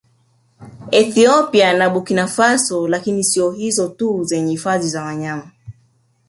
Ethiopia na Burkinafaso lakini siyo hizo tu zenye hifadhi za wanyama